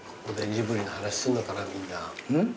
ジブリの話すんのかな？